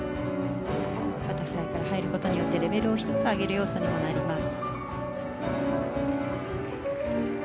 バタフライから入ることによってレベルを１つ上げる要素にもなります。